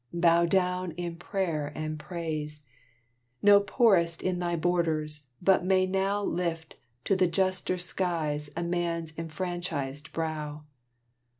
Bow down in prayer and praise! No poorest in thy borders but may now Lift to the juster skies a man's enfranchised brow.